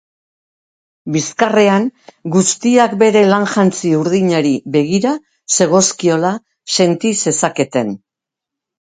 Bizkarrean, guztiak bere lan-jantzi urdinari begira zegozkiola senti zezakeen.